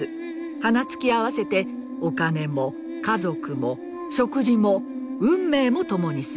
鼻突き合わせてお金も家族も食事も運命も共にする。